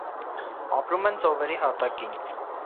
Ապրում են ծովերի հատակին։